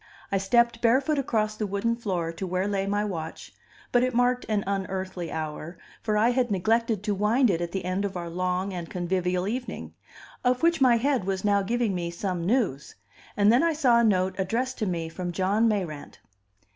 I stepped barefoot across the wooden floor to where lay my watch, but it marked an unearthly hour, for I had neglected to wind it at the end of our long and convivial evening of which my head was now giving me some news. And then I saw a note addressed to me from John Mayrant.